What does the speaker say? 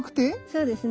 そうですね。